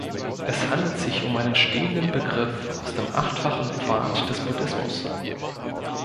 Es handelt sich um einen stehenden Begriff aus dem Achtfachen Pfad des Buddhismus.